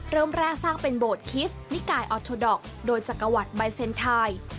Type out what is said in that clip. เริ่มแรกสร้างเป็นโบสถิสต์นิกายออโทดอกโดยจักรวรรดิใบเซ็นทาย